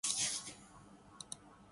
جو ہو گیا سو ہو گیا